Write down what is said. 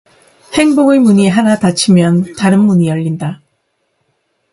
행복의 문이 하나 닫히면 다른 문이 열린다.